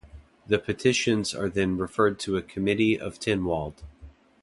The petitions are then referred to a committee of Tynwald.